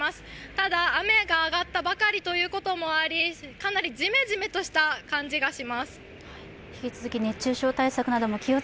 ただ、雨が上がったばかりというのもあり、かなりジメジメとした感じがします。